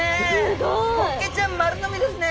ホッケちゃん丸飲みですね！